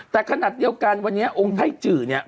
แต่ขนาดเดียวกันวันนี้องค์ไพ่จือเนี่ย